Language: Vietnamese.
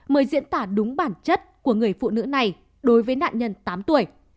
mời diễn tả đúng bản chất của người phụ nữ này đối với nạn nhân tám tuổi